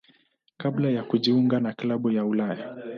kabla ya kujiunga na klabu ya Ulaya.